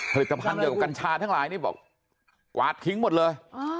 ผลิตภัณฑ์เกี่ยวกับกัญชาทั้งหลายนี่บอกกวาดทิ้งหมดเลย